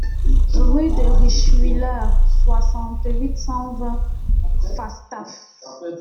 Rue de Richwiller, soixante-huit, cent vingt Pfastatt